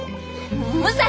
武蔵！